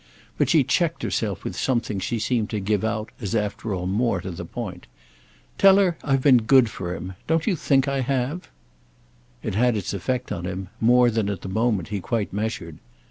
But she checked herself with something she seemed to give out as after all more to the point. "Tell her I've been good for him. Don't you think I have?" It had its effect on him—more than at the moment he quite measured.